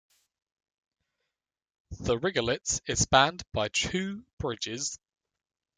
The Rigolets is spanned by two bridges.